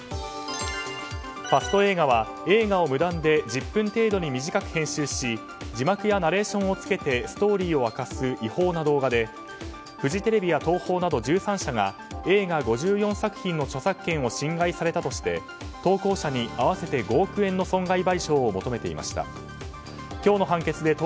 ファスト映画は映画を無断で１０分程度に短く編集し字幕やナレーションをつけてストーリーを明かす違法な動画でフジテレビや東宝など１３社が映画５４作品の著作権を侵害されたとして投稿者に合わせて５億円の損害賠償を求めていました。